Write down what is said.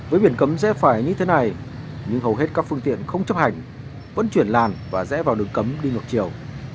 với biển cấm rẽ phải như thế này nhưng hầu hết các phương tiện không chấp hành vẫn chuyển làn và rẽ vào đường cấm đi ngược chiều